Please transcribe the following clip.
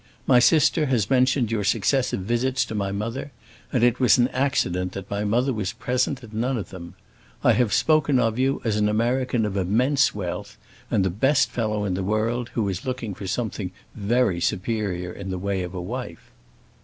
My sister has mentioned your successive visits to my mother, and it was an accident that my mother was present at none of them. I have spoken of you as an American of immense wealth, and the best fellow in the world, who is looking for something very superior in the way of a wife."